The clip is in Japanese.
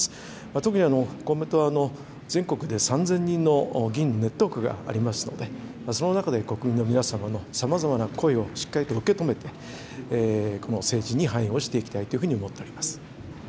特に公明党、全国で３０００人の議員のネットワークがありますので、その中で国民の皆様のさまざまな声をしっかりと受け止めて、この政治に反映をしていきたいというふうに思っております。